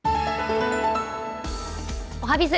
おはＢｉｚ、